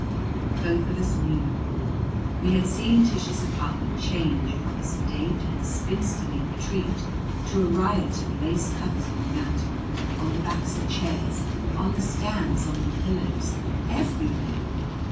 Both of us knew. We had seen Tish's apartment change from a sedate and spinsterly retreat to a riot of lace covers on the mantel, on the backs of chairs, on the stands, on the pillows everywhere.